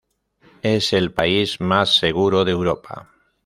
Es el país más seguro de Europa.